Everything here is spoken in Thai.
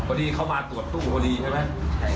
พอดีเขามาตรวจตู้พอดีใช่ไหม